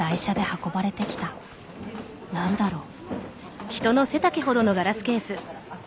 何だろう？